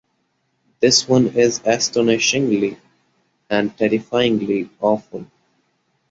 This one is astonishingly and terrifyingly awful.